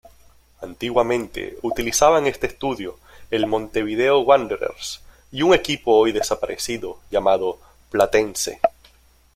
Antiguamente utilizaban este estadio el Montevideo Wanderers y un equipo hoy desaparecido llamado Platense.